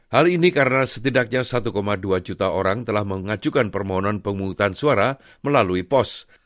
hal ini karena setidaknya satu dua juta orang telah mengajukan permohonan pemungutan suara melalui pos